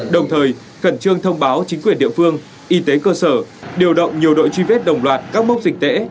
đồng thời khẩn trương thông báo chính quyền địa phương y tế cơ sở điều động nhiều đội truy vết đồng loạt các mốc dịch tễ